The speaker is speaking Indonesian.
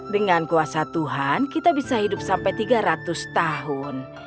dengan kuasa tuhan kita bisa hidup sampai tiga ratus tahun